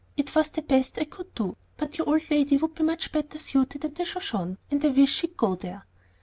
It was the best I could do. But your old lady would be much better suited at the Shoshone, and I wish she'd go there."